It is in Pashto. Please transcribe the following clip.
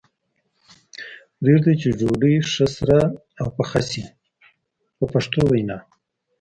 پرېږدي یې چې ډوډۍ ښه سره شي او پخه شي په پښتو وینا.